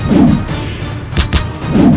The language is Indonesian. aku akan menang